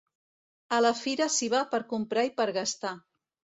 A la fira s'hi va per comprar i per gastar.